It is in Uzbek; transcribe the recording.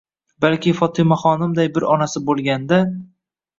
Balki Fotimaxonimday bir onasi bo'lganda